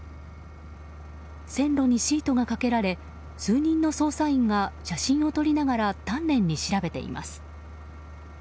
線路にシートがかけられ数人の捜査員が写真を撮りながら丹念に調べています。